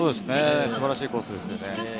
素晴らしいコースですよね。